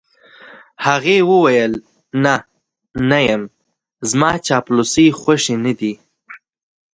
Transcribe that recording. هغې وویل: نه، نه یم، زما چاپلوسۍ خوښې نه دي.